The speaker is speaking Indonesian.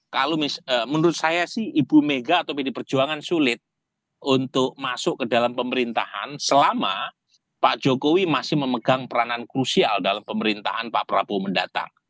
kalau menurut saya sih ibu mega atau pd perjuangan sulit untuk masuk ke dalam pemerintahan selama pak jokowi masih memegang peranan krusial dalam pemerintahan pak prabowo mendatang